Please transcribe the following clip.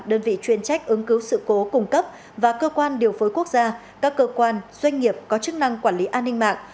đơn vị chuyên trách ứng cứu sự cố cung cấp và cơ quan điều phối quốc gia các cơ quan doanh nghiệp có chức năng quản lý an ninh mạng